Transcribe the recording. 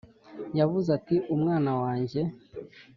yavuze ati: umwana wanjye.